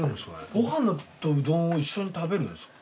ご飯とうどんを一緒に食べるんですか？